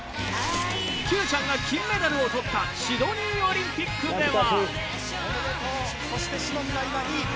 Ｑちゃんが金メダルをとったシドニーオリンピックでは。